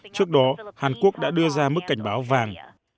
trước đó hàn quốc đã đưa ra mức cảnh báo vàng